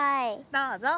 どうぞ。